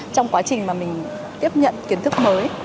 trong quá trình mà mình tiếp nhận kiến thức mới